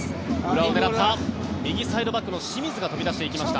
裏を狙った、右サイドバックの清水が飛び出していきました。